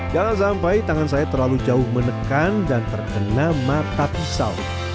jangan sampai tangan saya terlalu jauh menekan dan terkena mata pisau